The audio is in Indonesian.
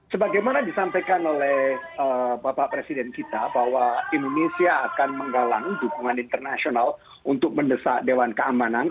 sebagaimana disampaikan oleh bapak presiden kita bahwa indonesia akan menggalang dukungan internasional untuk mendesak dewan keamanan